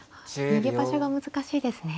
逃げ場所が難しいですね。